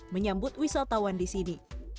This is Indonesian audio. menyambut wisatawan di sini